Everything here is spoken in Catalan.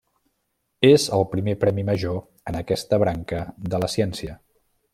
És el primer premi major en aquesta branca de la ciència.